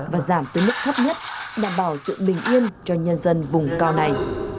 và giảm tới mức thấp nhất đảm bảo sự bình yên cho nhân dân vùng cao này